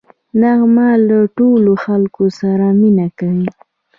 نغمه له ټولو خلکو سره مینه کوي